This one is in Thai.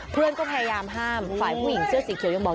เพื่อนก็พยายามห้ามฝ่ายผู้หญิงเสื้อสีเขียวยังบอก